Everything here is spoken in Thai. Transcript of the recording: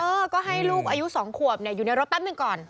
เออก็ให้ลูกอายุ๒ขวบอยู่ในรถแป๊บหนึ่งก่อน